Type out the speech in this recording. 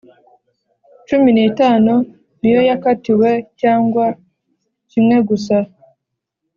cumi n itanu niyo yakatiwe cyangwa kimwe gusa